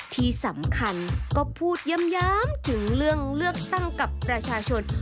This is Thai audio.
ที่สำคัญก็พูดย้ำถึงเรื่องเลือกตั้งกับประชาชน